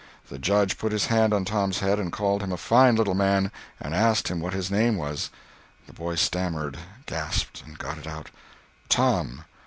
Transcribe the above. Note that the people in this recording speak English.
The Judge put his hand on Tom's head and called him a fine little man, and asked him what his name was. The boy stammered, gasped, and got it out: "Tom."